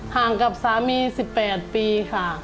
กับสามี๑๘ปีค่ะ